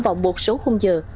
vào một số khung giờ